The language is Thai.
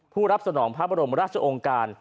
ผู้รับสนองพระบรมราชองค์การ